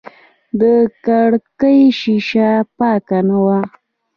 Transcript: د کړکۍ شیشه پاکه نه وه.